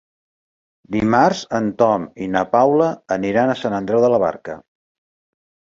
Dimarts en Tom i na Paula aniran a Sant Andreu de la Barca.